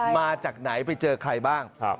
มาจากไหนไปเจอใครบ้าง